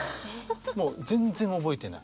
もう全然覚えてない。